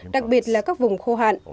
đặc biệt là các vùng khô hạn